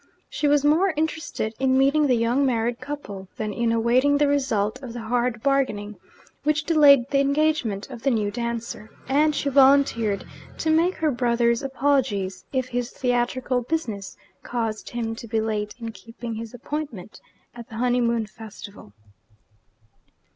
She was more interested in meeting the young married couple than in awaiting the result of the hard bargaining which delayed the engagement of the new dancer; and she volunteered to make her brother's apologies, if his theatrical business caused him to be late in keeping his appointment at the honeymoon festival.